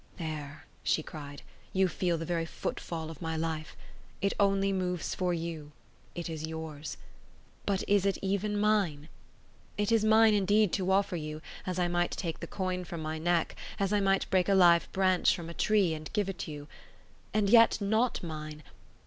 "There," she cried, "you feel the very footfall of my life. It only moves for you; it is yours. But is it even mine? It is mine indeed to offer you, as I might take the coin from my neck, as I might break a live branch from a tree, and give it you. And yet not mine!